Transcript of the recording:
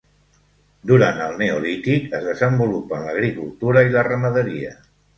Durant el Neolític es desenvolupen l'agricultura i la ramaderia.